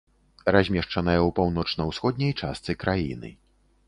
Размешчаная ў паўночна-ўсходняй частцы краіны.